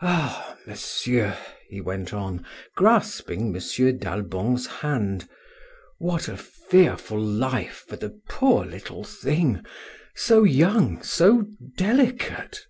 "Ah! monsieur," he went on, grasping M. d'Albon's hand, "what a fearful life for a poor little thing, so young, so delicate!